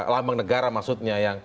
lambang negara maksudnya